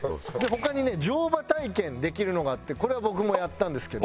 他にね乗馬体験できるのがあってこれは僕もやったんですけど。